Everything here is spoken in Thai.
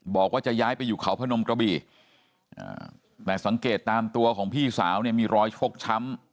บอกว่าจะย้ายไปอยู่เขาพนมกระบี่แต่สังเกตตามตัวของพี่สาวเนี่ยมีรอยชกช้ำ